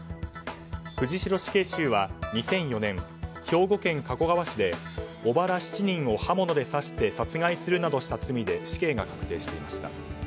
藤城死刑囚は２００４年、兵庫県加古川市で伯母ら７人を刃物で刺して殺害するなどした罪で死刑が隠していました。